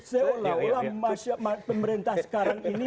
seolah olah pemerintah sekarang ini